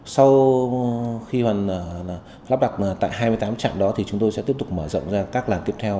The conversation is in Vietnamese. sau khi lắp đặt tại hai mươi tám trạm đó thì chúng tôi sẽ tiếp tục mở rộng ra các làn tiếp theo